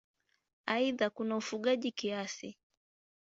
Aidha kuna ufugaji kiasi.